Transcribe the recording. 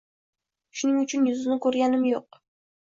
Shuning uchun yuzini ko‘rganim yo‘q.